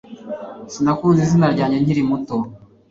Sinakunze izina ryanjye nkiri muto